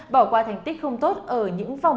bỏ qua thành tích không tốt ở những vòng